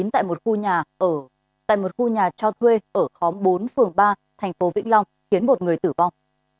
tại một khu nhà cho thuê ở khóm bốn phường ba thành phố vĩnh long khiến một người tử vong